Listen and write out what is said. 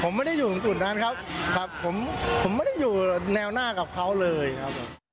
ผมไม่ได้อยู่ตรงจุดนั้นครับครับผมผมไม่ได้อยู่แนวหน้ากับเขาเลยครับ